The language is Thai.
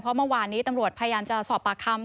เพราะเมื่อวานนี้ตำรวจพยายามจะสอบปากคำ